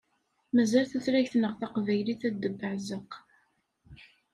Mazal tutlayt-nneɣ taqbaylit ad tebbeɛzeq.